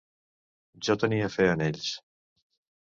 Jo tenia fé en ells.